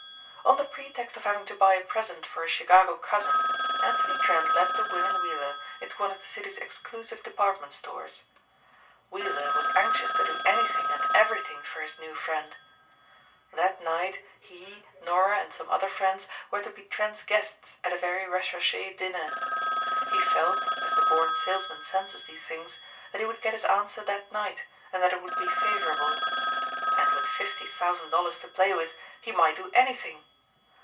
On the pretext of having to buy a present for a Chicago cousin, Anthony Trent led the willing Weiller into one of the city's exclusive department stores. Weiller was anxious to do anything and everything for his new friend. That night he, Norah and some other friends were to be Trent's guests at a very recherché dinner. He felt, as the born salesman senses these things, that he would get his answer that night and that it would be favorable. And with fifty thousand dollars to play with he might do anything.